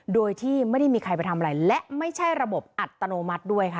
โดยที่ไม่ได้มีใครไปทำอะไรและไม่ใช่ระบบอัตโนมัติด้วยค่ะ